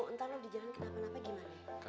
ntar di jalan kenapa napa gimana